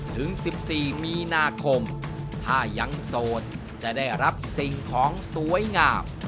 ถึง๑๔มีนาคมถ้ายังโสดจะได้รับสิ่งของสวยงาม